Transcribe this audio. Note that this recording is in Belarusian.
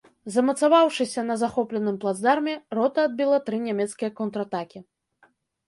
Замацаваўшыся на захопленым плацдарме, рота адбіла тры нямецкія контратакі.